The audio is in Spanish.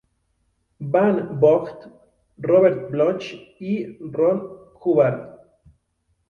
E. van Vogt, Robert Bloch y L. Ron Hubbard.